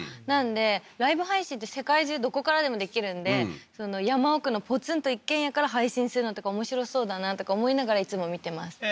なんでライブ配信って世界中どこからでもできるんで山奥のポツンと一軒家から配信するのとか面白そうだなとか思いながらいつも見てます